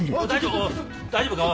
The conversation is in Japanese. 大丈夫か？